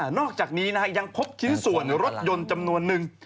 อกจากนี้ยังพบชิ้นส่วนรถยนต์จำนวนนึง